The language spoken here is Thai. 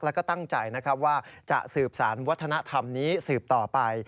แล้วก็ตั้งใจนะครับว่าจะสืบสารวัฒนธรรมนี้สืบต่อไป